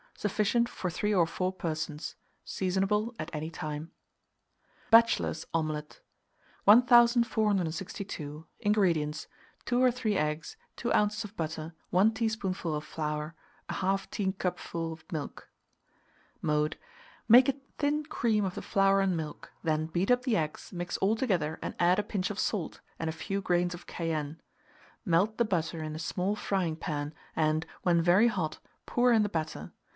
Sufficient for 3 or 4 persons. Seasonable at any time. BACHELOR'S OMELET. 1462. INGREDIENTS. 2 or 3 eggs, 2 oz. of butter, 1 teaspoonful of flour, 1/2 teacupful of milk. Mode. Make a thin cream of the flour and milk; then beat up the eggs, mix all together, and add a pinch of salt and a few grains of cayenne. Melt the butter in a small frying pan, and, when very hot, pour in the batter.